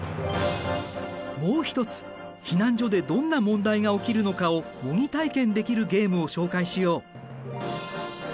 もう一つ避難所でどんな問題が起きるのかを模擬体験できるゲームを紹介しよう。